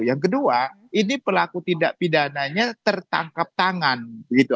yang kedua ini pelaku tindak pidananya tertangkap tangan